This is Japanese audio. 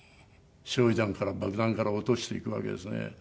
焼夷弾から爆弾から落としていくわけですね。